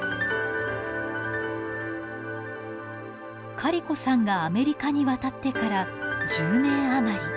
カリコさんがアメリカに渡ってから１０年余り。